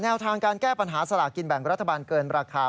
ทางการแก้ปัญหาสลากกินแบ่งรัฐบาลเกินราคา